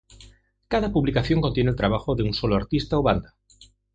Cada publicación contiene el trabajo de un solo artista o banda.